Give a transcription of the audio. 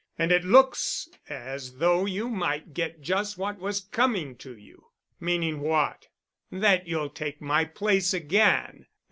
And it looks as though you might get just what was coming to you." "Meaning what?" "That you'll take my place again.